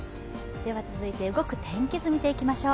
続いて動く天気図を見ていきましょう。